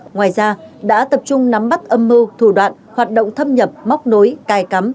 ngoài ra đã tập trung nắm bắt âm mưu thủ đoạn hoạt động thâm nhập móc nối cài cắm